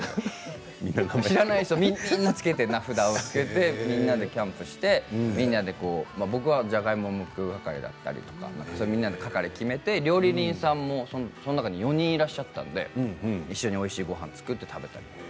知らない人みんなでつけて名札をみんなでキャンプして僕はじゃがいもをむく係だったりみんなの係を決めて料理人さんもその中に４人いらっしゃったので一緒においしいごはんを作って食べたり。